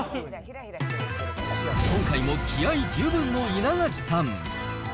今回も気合十分の稲垣さん。